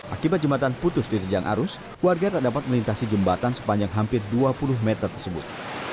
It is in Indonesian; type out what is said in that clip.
akibat jembatan putus diterjang arus warga tak dapat melintasi jembatan sepanjang hampir dua puluh meter tersebut